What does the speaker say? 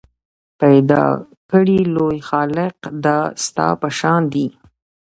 پیدا کړی لوی خالق دا ستا په شان دی